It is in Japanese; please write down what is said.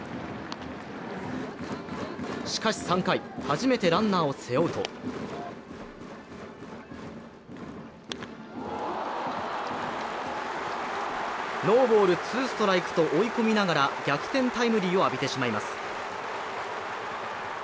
しかし３回、初めてランナーを背負うとノーボール・ツーストライクと追い込みながら、逆転タイムリーを浴びてしまいます。